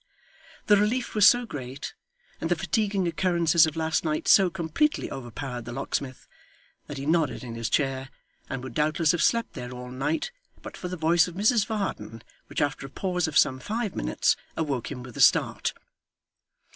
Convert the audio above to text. The relief was so great, and the fatiguing occurrences of last night so completely overpowered the locksmith, that he nodded in his chair, and would doubtless have slept there all night, but for the voice of Mrs Varden, which, after a pause of some five minutes, awoke him with a start.